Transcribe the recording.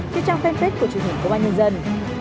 trên trang fanpage của truyền hình công an nhân dân